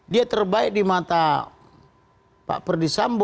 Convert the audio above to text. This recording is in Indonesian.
dia terbaik di mata pak perdisambo